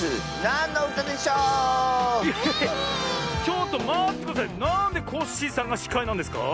なんでコッシーさんがしかいなんですか？